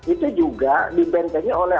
itu juga dibentengi oleh